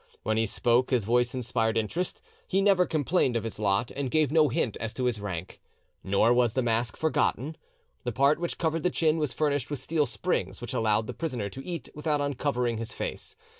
When he spoke his voice inspired interest; he never complained of his lot, and gave no hint as to his rank." Nor was the mask forgotten: "The part which covered the chin was furnished with steel springs, which allowed the prisoner to eat without uncovering his face."